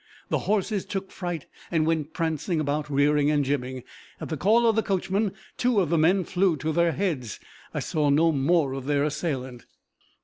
The horses took fright, and went prancing about, rearing and jibbing. At the call of the coachman, two of the men flew to their heads. I saw no more of their assailant.